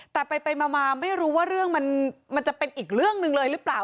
แต่ไปมาไม่รู้ว่าเรื่องมันจะเป็นอีกเรื่องหนึ่งเลยหรือเปล่า